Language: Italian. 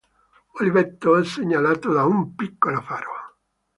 Oliveto è segnalato da un piccolo faro.